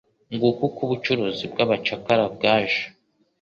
Nguko uko ubucuruzi bw'abacakara bwaje